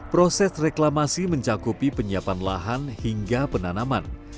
proses reklamasi mencakupi penyiapan lahan hingga penanaman